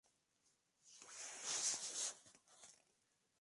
La mayoría de las muertes por hambre se deben a la desnutrición permanente.